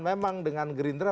memang dengan gerindra